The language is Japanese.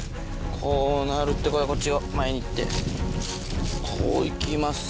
こうなるってことはこっちを前にいってこういきます。